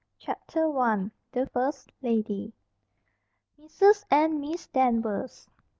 CHAPTER I. THE FIRST LADY. "Mrs. And Miss Danvers."